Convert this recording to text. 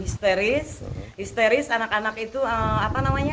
histeris histeris anak anak itu apa namanya